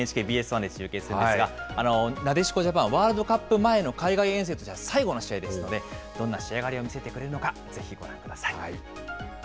１で中継するんですが、なでしこジャパン、ワールドカップ前の海外遠征としては最後の試合ですので、どんな仕上がりを見せてくれるのか、ぜひご覧ください。